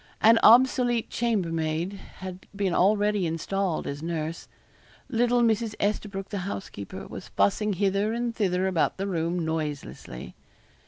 An obsolete chambermaid had been already installed as nurse. Little Mrs. Esterbroke, the housekeeper, was fussing hither and thither about the room noiselessly.